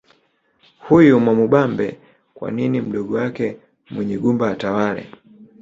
Huyu Mwamubambe kwa nini mdogo wake Munyigumba atawale